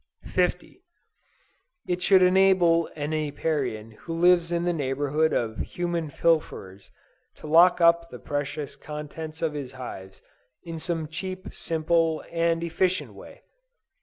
50. It should enable an Apiarian who lives in the neighborhood of human pilferers, to lock up the precious contents of his hives, in some cheap, simple and convenient way.